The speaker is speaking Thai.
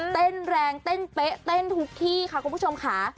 เต้นแรงเต้นเป๊ะเต้นทุกที่ค่ะคุณผู้ชมค่ะ